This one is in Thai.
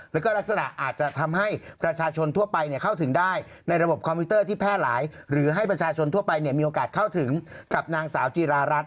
แล้วก็ลักษณะอาจจะทำให้ประชาชนทั่วไปเข้าถึงได้